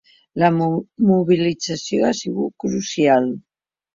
La mobilització ha sigut crucial.